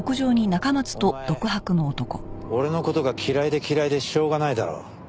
お前俺の事が嫌いで嫌いでしょうがないだろ。